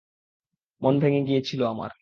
মন ভেঙে গিয়েছিল আমার।